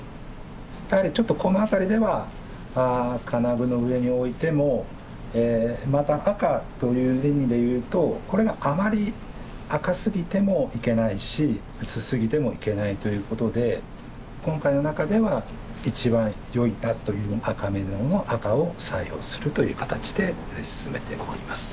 やはりちょっとこのあたりでは金具の上に置いてもまた赤という意味でいうとこれがあまり赤すぎてもいけないし薄すぎてもいけないということで今回の中では一番よいなという赤瑪瑙の赤を採用するという形で進めております